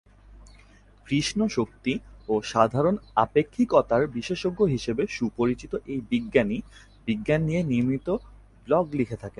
কৃষ্ণ শক্তি ও সাধারণ আপেক্ষিকতার বিশেষজ্ঞ হিসেবে সুপরিচিত এই বিজ্ঞানী বিজ্ঞান বিষয়ে নিয়মিত ব্লগ লিখে থাকেন।